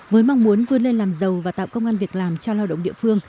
với mong muốn vươn lên làm giàu và tạo công an việc làm cho lao động địa phương